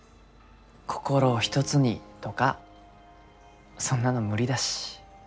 心を一つにとかそんなの無理だし。